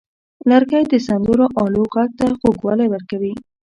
لرګی د سندرو آلو غږ ته خوږوالی ورکوي.